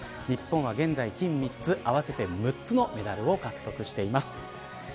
日本は現在、金３つあわせて６つのメダルを獲得しています。